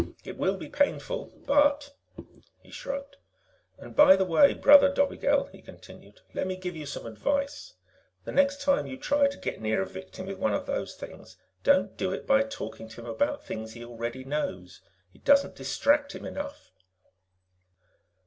It will be painful, but " He shrugged. "And by the way, Brother Dobigel," he continued, "let me give you some advice. The next time you try to get near a victim with one of those things, don't do it by talking to him about things he already knows. It doesn't distract him enough."